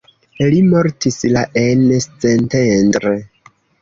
Li mortis la en Szentendre.